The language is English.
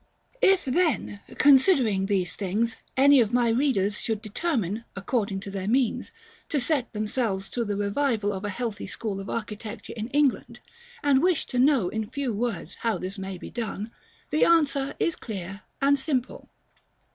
§ XXXV. If, then, considering these things, any of my readers should determine, according to their means, to set themselves to the revival of a healthy school of architecture in England, and wish to know in few words how this may be done, the answer is clear and simple.